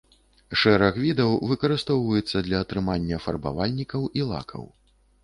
Шэраг відаў выкарыстоўваецца для атрымання фарбавальнікаў і лакаў.